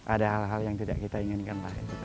ada hal hal yang tidak kita inginkan